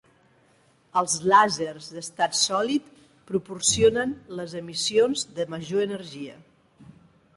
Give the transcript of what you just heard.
Els làsers d'estat sòlid proporcionen les emissions de major energia.